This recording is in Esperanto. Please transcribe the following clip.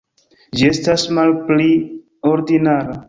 Ĝi estas malpli ordinara.